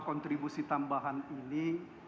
kontribusi tambahan ini